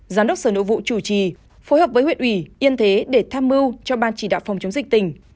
giám đốc sở nội vụ chủ trì phối hợp với huyện ủy yên thế để tham mưu cho ban chỉ đạo phòng chống dịch tỉnh